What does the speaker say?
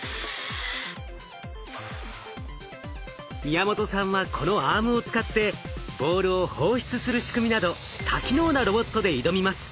宮本さんはこのアームを使ってボールを放出する仕組みなど多機能なロボットで挑みます。